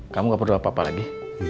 kamu gak perlu apa apa lagi